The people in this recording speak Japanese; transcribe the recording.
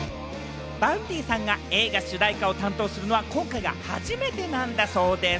Ｖａｕｎｄｙさんが映画主題歌を担当するのは今回が初めてなんだそうです。